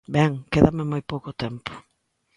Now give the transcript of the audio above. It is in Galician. Ben, quédame moi pouco tempo.